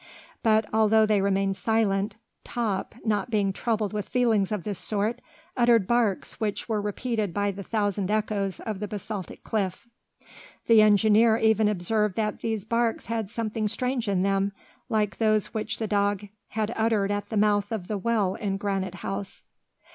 But, although they remained silent, Top, not being troubled with feelings of this sort, uttered barks which were repeated by the thousand echoes of the basaltic cliff. The engineer even observed that these barks had something strange in them, like those which the dog had uttered at the mouth of the well in Granite House.